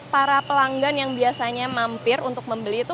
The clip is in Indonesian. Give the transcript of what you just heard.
para pelanggan yang biasanya mampir untuk membeli itu